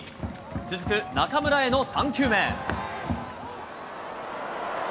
続く中村への３球目。